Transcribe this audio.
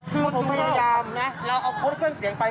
คือผมพยายามนะเราเอาโค้ดเครื่องเสียงไป